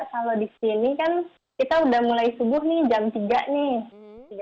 kalau di sini kan kita udah mulai subuh nih jam tiga nih